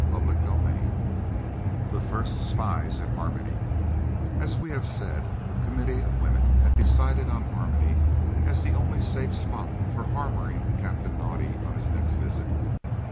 CHAPTER XXXIII THE FIRST SPIES AT HARMONY As we have said, the Committee of women had decided on Harmony as the only safe spot for harbouring Captain Naudé on his next visit.